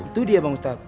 itu dia bang ustadz